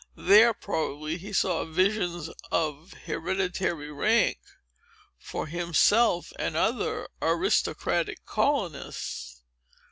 There, probably, he saw visions of hereditary rank, for himself and other aristocratic colonists.